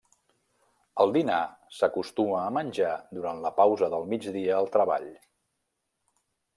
El dinar s'acostuma a menjar durant la pausa del migdia al treball.